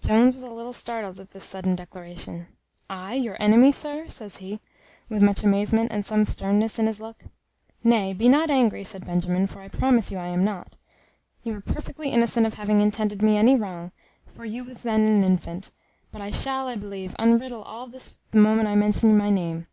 Jones was a little startled at this sudden declaration. "I your enemy, sir!" says he, with much amazement, and some sternness in his look. "Nay, be not angry," said Benjamin, "for I promise you I am not. You are perfectly innocent of having intended me any wrong; for you was then an infant: but I shall, I believe, unriddle all this the moment I mention my name.